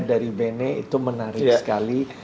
dari bene itu menarik sekali